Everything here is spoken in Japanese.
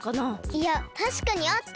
いやたしかにあった！